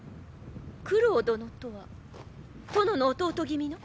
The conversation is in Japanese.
九郎殿とは殿の弟君の？